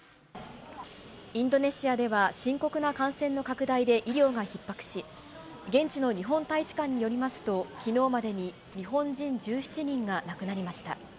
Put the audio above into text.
インドネシアでは、深刻な感染の拡大で医療がひっ迫し、現地の日本大使館によりますと、きのうまでに日本人１７人が亡くなりました。